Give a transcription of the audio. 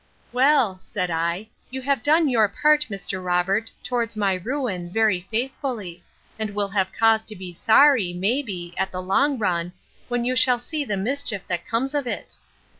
Well, said I, you have done your part, Mr. Robert, towards my ruin, very faithfully; and will have cause to be sorry, may be, at the long run, when you shall see the mischief that comes of it.